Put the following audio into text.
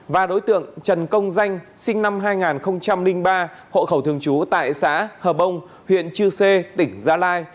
và đối tượng trần công danh sinh năm hai nghìn ba hộ khẩu thường trú tại xã hờ bông huyện chư sê tỉnh gia lai